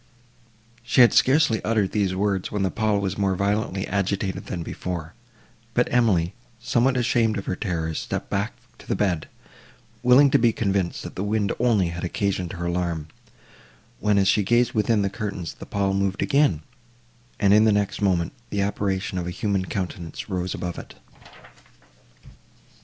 She had scarcely uttered these words, when the pall was more violently agitated than before; but Emily, somewhat ashamed of her terrors, stepped back to the bed, willing to be convinced that the wind only had occasioned her alarm; when, as she gazed within the curtains, the pall moved again, and, in the next moment, the apparition of a human countenance rose above it.